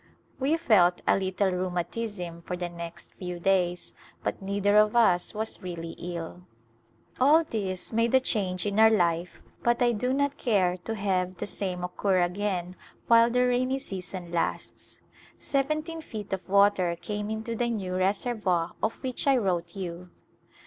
We felt a little rheumatism for the next few days but neither af us was really ill. A Glimpse of India All this made a change in our life but I do not care to have the same occur again while the rainy season lasts. Seventeen feet of water came into the new reservoir of which I wrote you.